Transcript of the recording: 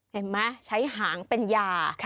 เห็นไหมใช้หางเป็นยา